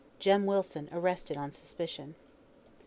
JEM WILSON ARRESTED ON SUSPICION.